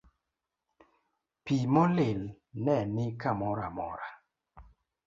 Pi molil ne ni kamoro amora.